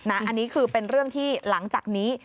อันนี้คือเป็นเรื่องที่หลังจากนี้